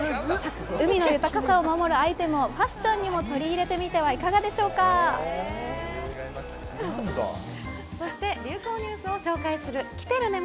海の豊かさを守るアイテムをファッションにも取り入れてみてはいそして、流行ニュースを紹介するキテルネ！